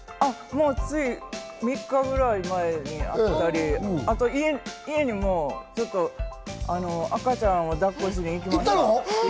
つい３日くらい前に会ったり、あと家にも赤ちゃんを抱っこしに行きました。